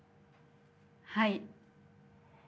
はい。